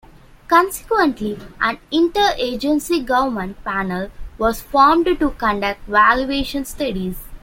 Consequently, an inter-agency government panel was formed to conduct valuation studies.